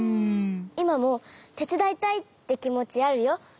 いまもてつだいたいってきもちあるよ。